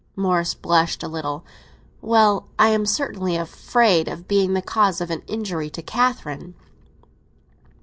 Morris blushed a little. "Well, I am certainly afraid of being the cause of an injury to Catherine."